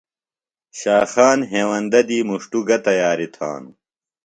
شاخان ہیوندہ دی مُݜٹوۡ گہ تیاریۡ تھانوۡ؟